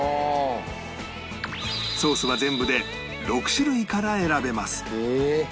ソースは全部で６種類から選べます